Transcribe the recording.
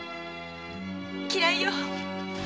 嫌いよ！